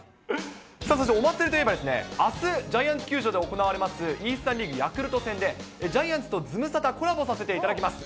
そしてお祭りといえば、あす、ジャイアンツ球場で行われます、イースタンリーグヤクルト戦で、ジャイアンツとズムサタコラボさせていただきます。